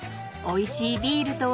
［おいしいビールと